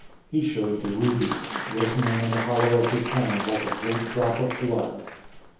He showed the ruby, glistening in the hollow of his hand like a great drop of blood.